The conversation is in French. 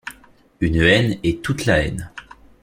Une haine est toute la haine.